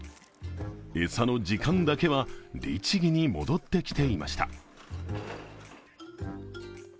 餌の時間だけは律儀に戻ってきていました。